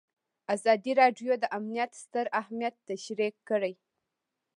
ازادي راډیو د امنیت ستر اهميت تشریح کړی.